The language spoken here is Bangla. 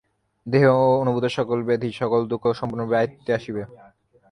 দেহে অনুভূত সকল ব্যাধি, সকল দুঃখ সম্পূর্ণরূপে আয়ত্তে আসিবে।